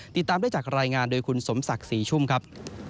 ติดตามได้จากรายงานโดยคุณสมศักดิ์ศรีชุ่มครับ